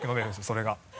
それが。